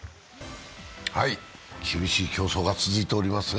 厳しい競争が続いておりますが。